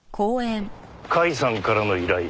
甲斐さんからの依頼？